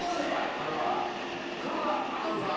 これは黒田アナウンサー！